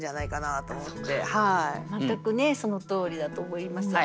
全くねそのとおりだと思います。